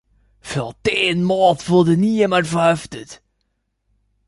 Für den Mord wurde nie jemand verhaftet.